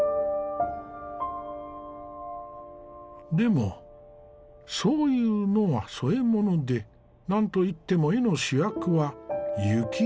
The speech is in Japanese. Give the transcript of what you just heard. でもそういうのは添え物で何といっても絵の主役は雪だね。